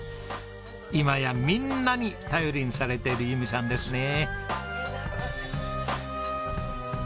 今やみんなに頼りにされている由美さんですね。